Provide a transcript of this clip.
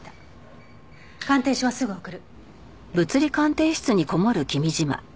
鑑定書はすぐ送る。